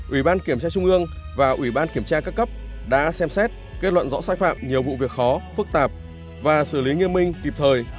ủy ban kiểm tra trung ương và ủy ban kiểm tra các cấp đã xem xét kết luận rõ sai phạm nhiều vụ việc khó phức tạp và xử lý nghiêm minh kịp thời